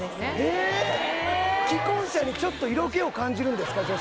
えーっ既婚者にちょっと色気を感じるんですか？